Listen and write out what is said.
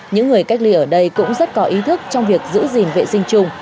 những người cách ly ở đây cũng rất có ý thức trong việc giữ gìn vệ sinh chung